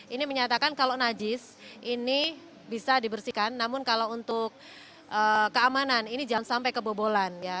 ini menyatakan kalau najis ini bisa dibersihkan namun kalau untuk keamanan ini jangan sampai kebobolan